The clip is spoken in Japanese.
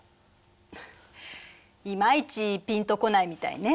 いまいちピンとこないみたいね。